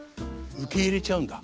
受け入れちゃうんだ。